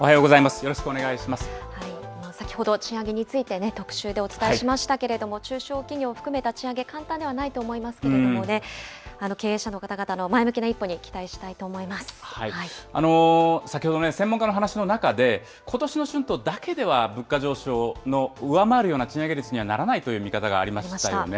よろし先ほど賃上げについて特集でお伝えしましたけれども、中小企業を含めた賃上げ、簡単ではないと思いますけれども、経営者の方々の前向きな一歩に期待したいと先ほど、専門家の話の中で、ことしの春闘だけでは物価上昇を上回るような賃上げにはならないという見方がありましたよね。